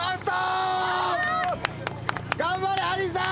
頑張れハリーさん！